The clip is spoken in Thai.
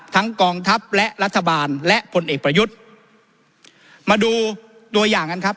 กองทัพและรัฐบาลและผลเอกประยุทธ์มาดูตัวอย่างกันครับ